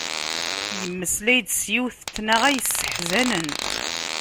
Yemmeslay-d s yiwet n tnaɣa yesseḥzanen.